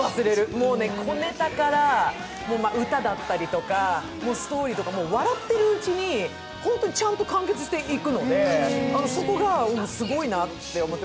もう小ネタから歌だったりとか、ストーリーとか、笑ってるうちにちゃんと完結していくのでそこがすごいなって思って。